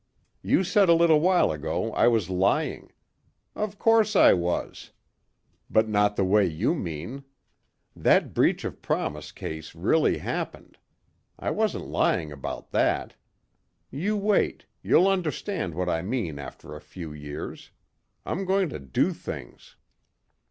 You said a little while ago I was lying. Of course I was. But not the way you mean. That breach of promise case really happened. I wasn't lying about that. You wait, you'll understand what I mean after a few years. I'm going to do things."